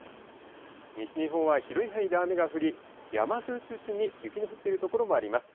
西日本は広い範囲で雨が降り、山沿いを中心に雪の降っている所もあります。